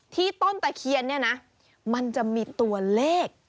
ต้นตะเคียนเนี่ยนะมันจะมีตัวเลข